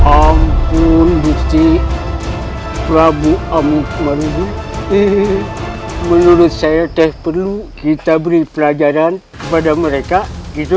ampun bukti prabu amuk marudin menurut saya teh perlu kita beri pelajaran kepada mereka itu